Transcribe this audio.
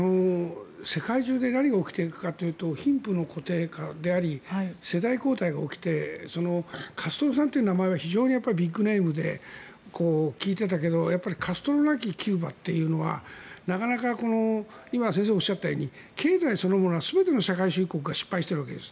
世界中で何が起きているかというと貧富の固定化であり世代交代が起きてカストロさんという名前は非常にビッグネームで聞いていたけどカストロなきキューバというのはなかなか今、先生がおっしゃったように経済そのものは全ての社会主義国が失敗しているわけです。